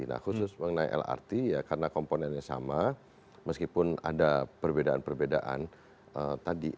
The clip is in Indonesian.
nah khusus mengenai lrt ya karena komponennya sama meskipun ada perbedaan perbedaan tadi